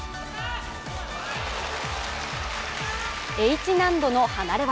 Ｈ難度の離れ技